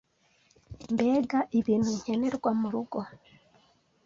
mbega ibintu nkenerwa mu rugo